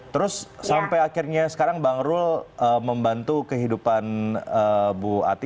terus sampai akhirnya sekarang bang rul membantu kehidupan bu ati